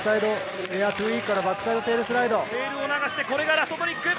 テールを流して、これがラストトリック！